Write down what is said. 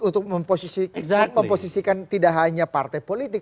untuk memposisikan tidak hanya partai politik